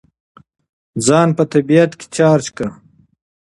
ځان په طبیعت کې چارج کړئ.